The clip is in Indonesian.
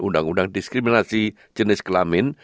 undang undang diskriminasi jenis kelamin